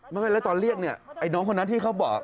ไม่ไงแล้วตอนเรียกไอ้น้องคนนั้นที่เขาบอก